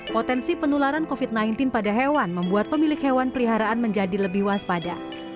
potensi penularan covid sembilan belas pada hewan membuat pemilik hewan peliharaan menjadi lebih waspada